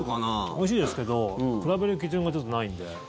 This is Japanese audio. おいしいですけど比べる基準がちょっとないんで。